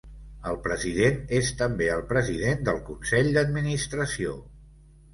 El president és també el president del consell d'administració.